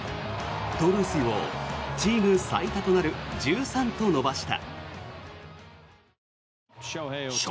盗塁数をチーム最多となる１３と伸ばした。